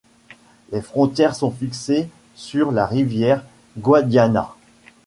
Les frontières sont fixées sur la rivière Guadiana.